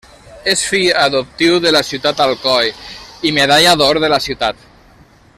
És fill adoptiu de la ciutat d'Alcoi i Medalla d'or de la ciutat.